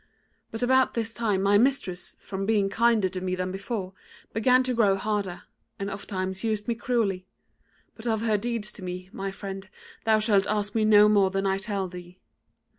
But about this time my mistress, from being kinder to me than before, began to grow harder, and ofttimes used me cruelly: but of her deeds to me, my friend, thou shalt ask me no more than I tell thee.